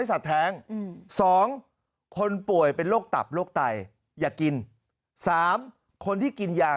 สัตว์แท้งสองคนป่วยเป็นโรคตับโรคไตอย่ากินสามคนที่กินยา